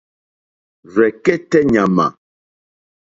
Rzɛ̀kɛ́tɛ́ ɲàmà.